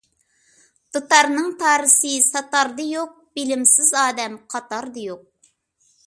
دۇتارنىڭ تارىسى ساتاردا يوق، بىلىمسىز ئادەم قاتاردا يوق.